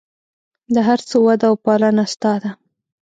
د هر څه وده او پالنه ستا ده.